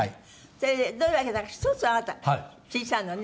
それで、どういうわけだか１つ、あなた、小さいのね。